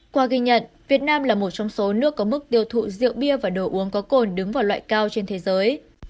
qua ghi nhận việt nam là một trong số nước có mức tiêu thụ rượu bia và đồ uống có cồn đứng vào loại cao trên thế giới